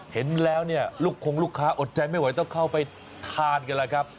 เห็นแล้วเนี่ยลูกคงลูกค้าอดใจไม่ไหวต้องเข้าไปทานกันแล้วครับ